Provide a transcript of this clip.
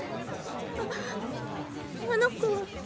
あっあの子は。